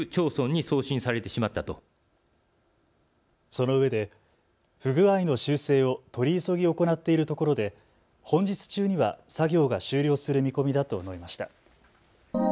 そのうえで不具合の修正を取り急ぎ行っているところで本日中には作業が終了する見込みだと述べました。